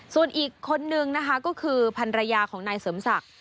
ส่วนอีกคนนึงนะคะก็คือพันรยาของนายเสริมศักดิ์